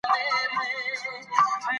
واکسین ټولو ماشومانو ته په وخت رسیږي.